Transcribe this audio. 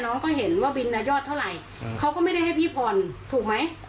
น้องก็เห็นว่าบินอ่ะยอดเท่าไหร่เขาก็ไม่ได้ให้พี่ผ่อนถูกไหม